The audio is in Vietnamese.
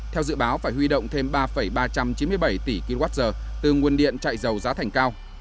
theo dự báo phải huy động thêm ba ba trăm chín mươi bảy tỷ kwh từ nguồn điện chạy dầu giá thành cao